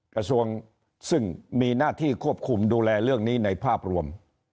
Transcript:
กระทรวงซึ่งมีหน้าที่ควบคุมดูแลเรื่องนี้ในภาพรวม